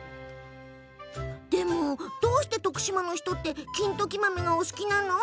でも、どうして徳島の人って金時豆がお好きなの？